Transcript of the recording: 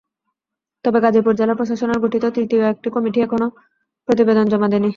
তবে গাজীপুর জেলা প্রশাসনের গঠিত তৃতীয় একটি কমিটি এখনো প্রতিবেদন জমা দেয়নি।